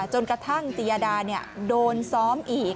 จนกระทั่งตียดาโดนซ้อมอีก